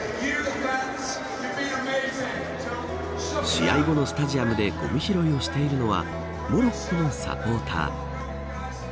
試合後のスタジアムでごみ拾いをしているのはモロッコのサポーター。